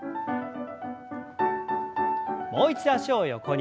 もう一度脚を横に。